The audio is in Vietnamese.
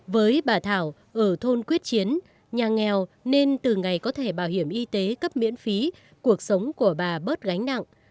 với bà thảo ở thôn quyết chiến nhà nghèo nên từ ngày có thể bảo hiểm y tế cấp miễn phí cuộc sống của bà bớt gánh nặng